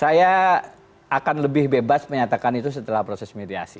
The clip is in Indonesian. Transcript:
saya akan lebih bebas menyatakan itu setelah proses mediasi